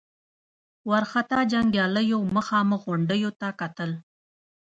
وارخطا جنګياليو مخامخ غونډيو ته کتل.